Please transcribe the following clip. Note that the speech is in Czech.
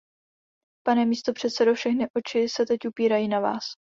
Pane místopředsedo, všechny oči se teď upírají na vás!